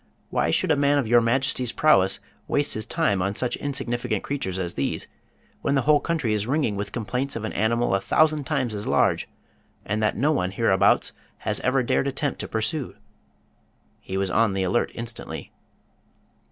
"Why should a man of Your Majesty's prowess waste his time on such insignificant creatures as these, when the whole country is ringing with complaints of an animal a thousand times as large, and that no one hereabouts has ever dared attempt to pursue?" He was on the alert instantly.